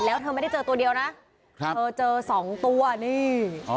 แล้วเธอไม่ได้เจอตัวเดียวนะเธอเจอสองตัวนี่